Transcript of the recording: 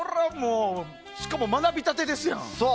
しかも学びたてですやん。